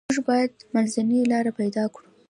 موږ باید منځنۍ لار پیدا کړو.